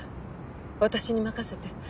私に任せて。